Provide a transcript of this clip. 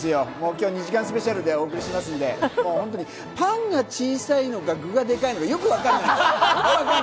今夜２時間スペシャルでお送りしますので、本当にパンが小さいのか具がでかいのか、よくわからないんですよ。